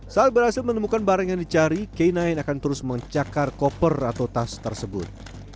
saat berhasil menemukan barang yang dicari k sembilan akan terus mencakar koper atau tas tersebut